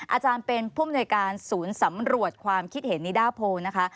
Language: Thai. อาจารย์เป็นผู้มนวยการศูนย์สำรวจความคิดเห็นนิดาโพลนะคะ